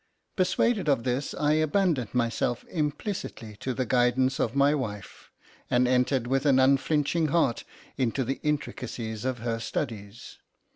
Persuaded of this, I abandoned myself implicitly to the guidance of my wife, and entered with an unflinching heart into the intricacies of her studies.